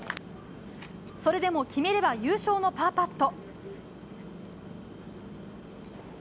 それでも決めれば優勝のパーパット。